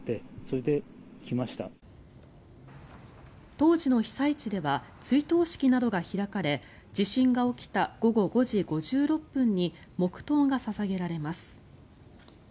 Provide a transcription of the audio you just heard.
当時の被災地では追悼式などが開かれ地震が起きた午後５時５６分に黙祷が捧げられます。